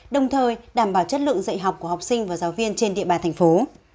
đồng thời đảm bảo chất lượng dạy học của học sinh và giáo viên trên địa bàn thành phố